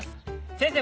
先生